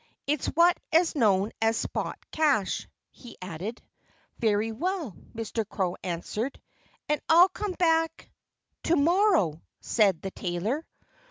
It's what is known as 'spot cash,'" he added. "Very well!" Mr. Crow answered. "And I'll come back " "To morrow!" said the tailor.